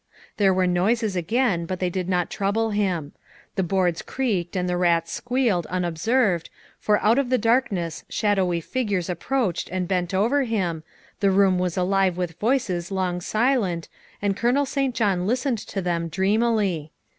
There were noises again, but they did not trouble him; the boards creaked and the rats squealed unob served, for out of the darkness shadowy figures ap proached and bent over him, the room was alive with voices long silent, and Colonel St. John listened to them dreamily.